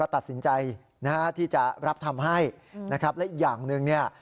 ตัดสินใจนะฮะที่จะรับทำให้นะครับและอีกอย่างหนึ่งเนี่ย